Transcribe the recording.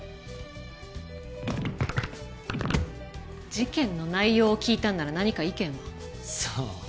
事件の内容を聞いたんなら何か意見は？さあ。